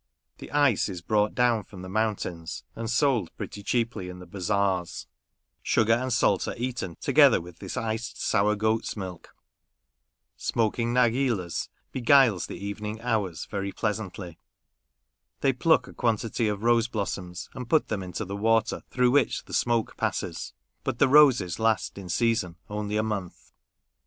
The ice is brought down from the mountains, and sold pretty cheaply in the bazaars. Sugar and salt are eaten together with this iced sour goat's milk. Smoking narghilahs beguiles the evening hours very pleasantly. They pluck a quantity of rose blossoms and put them into the water through which the smoke passes ; but the roses last in season only a month.